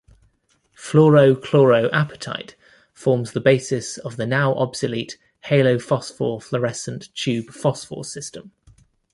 Fluoro-chloro apatite forms the basis of the now obsolete Halophosphor fluorescent tube phosphor system.